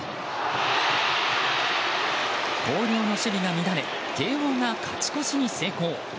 広陵の守備が乱れ慶應が勝ち越しに成功。